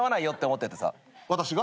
私が？